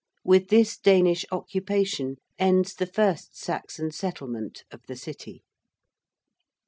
With this Danish occupation ends the first Saxon settlement of the City.